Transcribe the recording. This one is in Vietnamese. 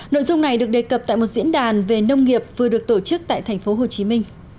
nội dung này được đề cập tại một diễn đàn về nông nghiệp vừa được tổ chức tại tp hcm